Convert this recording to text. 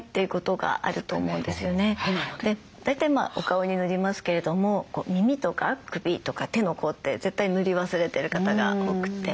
大体お顔に塗りますけれども耳とか首とか手の甲って絶対塗り忘れてる方が多くて。